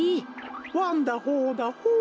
ワンダホーだホー。